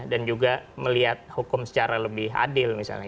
dan juga melihat hukum secara lebih adil misalnya